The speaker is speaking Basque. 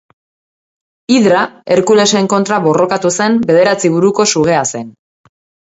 Hidra Herkulesen kontra borrokatu zen bederatzi buruko sugea zen.